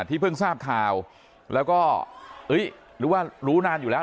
ที่เพิ่งทราบข่าวแล้วก็หรือว่ารู้นานอยู่แล้ว